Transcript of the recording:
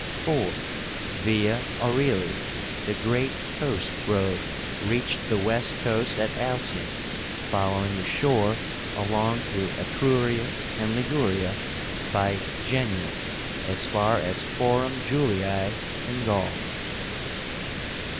4. VIA AURELIA, the great coast road, reached the west coast at Alsium, following the shore along through Etruria and Liguria, by Genua, as far as Forum Julii, in Gaul.